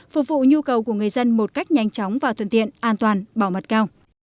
phục vụ nhu cầu của người dân một cách nhanh chóng và thuận tiện an toàn bảo mật cao